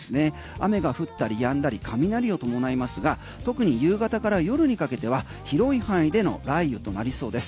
雨が降ったりやんだり雷を伴いますが特に夕方から夜にかけては広い範囲での雷雨となりそうです。